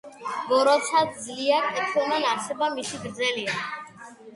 ბოროტსა სძლია კეთილმან, არსება მისი გრძელია!